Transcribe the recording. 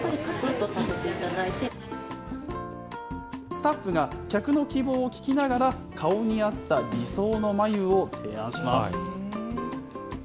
スタッフが客の希望を聞きながら、顔に合った理想の眉を提案します。